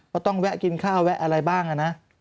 ต้องแวะกินข้าวแวะอะไรบ้างนะ